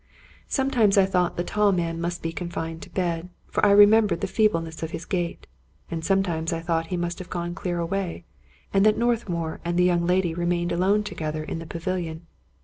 Sometimes I thought the tall man must be confined to bed, for I remembered the feebleness of his gait ; and sometimes I thought he must have gone clear away, and that North mour and the young lady remained alone together in the pavilion.